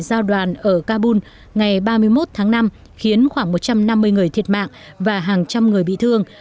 giao đoàn ở kabul ngày ba mươi một tháng năm khiến khoảng một trăm năm mươi người thiệt mạng và hàng trăm người bị thương